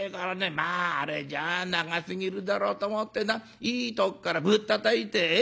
まああれじゃあ長すぎるだろうと思ってないいとこからぶったたいてほらほら